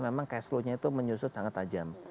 memang cash flow nya itu menyusut sangat tajam